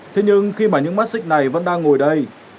thế nhưng khi mà những mắt xích này vẫn đang ngồi đây